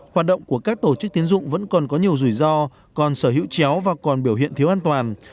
hoạt động của các tổ chức tiến dụng vẫn còn có nhiều rủi ro còn sở hữu chéo và còn biểu hiện thiếu an toàn